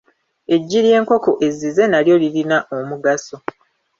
Eggi ly’enkoko ezzize nalyo lirirna omugaso.